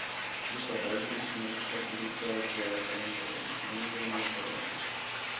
僕は唾液で湿ったフィルターを咥え、考える。何も思い浮かばない。